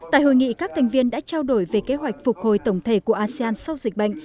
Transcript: tại hội nghị các thành viên đã trao đổi về kế hoạch phục hồi tổng thể của asean sau dịch bệnh